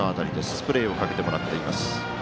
スプレーをかけてもらっています。